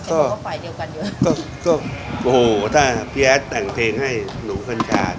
ก็โอ้โหถ้าพี่แอดแต่งเพลงให้หนูเพื่อนชาติ